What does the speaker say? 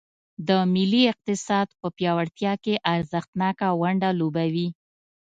د ملي اقتصاد په پیاوړتیا کې ارزښتناکه ونډه لوبوي.